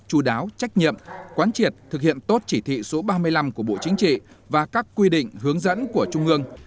chú đáo trách nhiệm quán triệt thực hiện tốt chỉ thị số ba mươi năm của bộ chính trị và các quy định hướng dẫn của trung ương